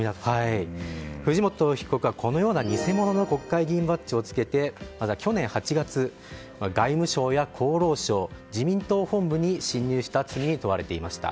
藤本被告はこのような偽物の国会議員バッジをつけて去年８月、外務省や厚労省自民党本部に侵入した罪に問われていました。